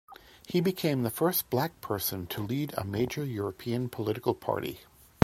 He became the first black person to lead a major European political party.